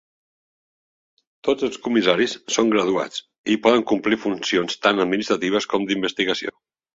Tots els "comissaris" són graduats i poden complir funcions tant administratives com d'investigació.